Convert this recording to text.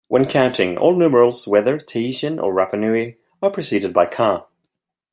When counting, all numerals whether Tahitian or Rapanui are preceded by 'ka'.